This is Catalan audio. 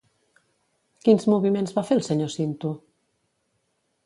Quins moviments va fer el senyor Cinto?